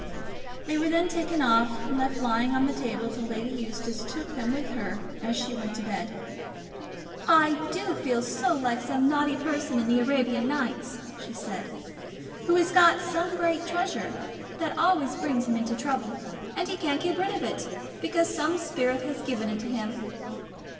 They were then taken off and left lying on the table till Lady Eustace took them with her as she went to bed. "I do feel so like some naughty person in the 'Arabian Nights,'" she said, "who has got some great treasure that always brings him into trouble; but he can't get rid of it, because some spirit has given it to him.